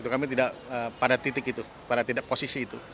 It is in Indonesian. kami tidak pada titik itu pada posisi itu